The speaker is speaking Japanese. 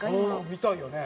みたいよね。